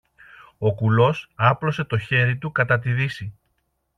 Ο κουλός άπλωσε το χέρι του κατά τη δύση.